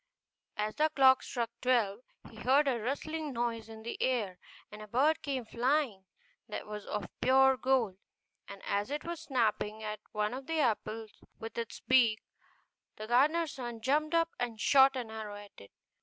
As the clock struck twelve he heard a rustling noise in the air, and a bird came flying that was of pure gold; and as it was snapping at one of the apples with its beak, the gardener's son jumped up and shot an arrow at it.